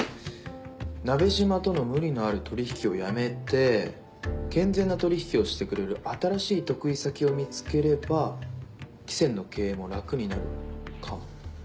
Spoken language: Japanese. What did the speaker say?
「なべしま」との無理のある取引をやめて健全な取引をしてくれる新しい得意先を見つければ喜泉の経営も楽になるかも。